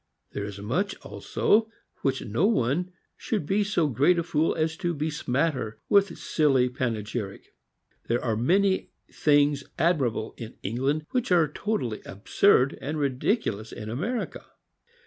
There is much also which no one should be so great a fool as to besmatter with silly panegyric. There are many things admirable in England which are totally absurd and ridiculous in America.